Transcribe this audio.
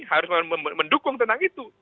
harus mendukung tentang itu